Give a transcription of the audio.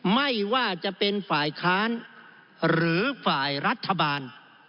ไม่ว่าจะเป็นฝ่ายค้านหรือฝ่ายรัฐบาล